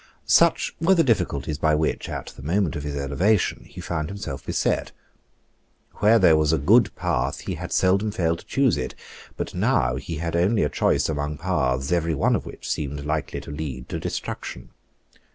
Such were the difficulties by which, at the moment of his elevation, he found himself beset. Where there was a good path he had seldom failed to choose it. But now he had only a choice among paths every one of which seemed likely to lead to destruction.